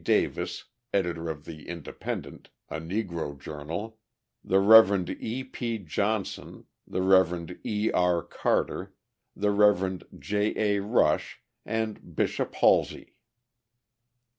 Davis, editor of the Independent, a Negro journal, the Rev. E. P. Johnson, the Rev. E. R. Carter, the Rev. J. A. Rush, and Bishop Holsey.